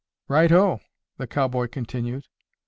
"Righto!" the cowboy continued.